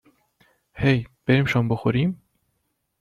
هی ، بریم شام بخوریم ؟